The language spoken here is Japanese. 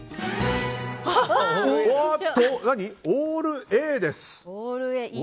おっと、オールＡです。